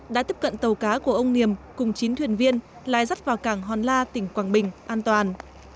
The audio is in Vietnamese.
đã tiếp cận tàu cá của ông niềm cùng chín thuyền viên lai dắt vào cảng hòn la tỉnh quảng bình an toàn